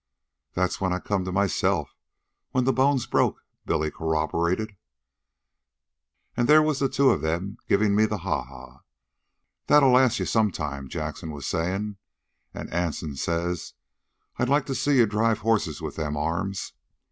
"That's when I come to myself, when the bones broke," Billy corroborated. "An' there was the two of 'em givin' me the ha ha. 'That'll last you some time,' Jackson was sayin'. An' Anson says, 'I'd like to see you drive horses with them arms.'